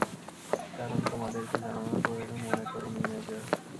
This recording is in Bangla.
কারণ, তোমাদেরকে জানানোর প্রয়োজন মনে করিনি, মেজর।